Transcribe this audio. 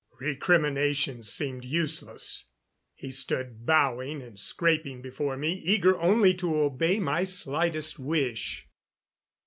Recriminations seemed useless. He stood bowing and scraping before me, eager only to obey my slightest wish.